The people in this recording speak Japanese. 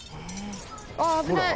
あっ危ない！